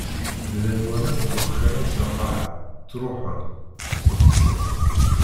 Bdan waman ttwexxiṛen si lqaɛa, ttṛuḥun, neqqsen.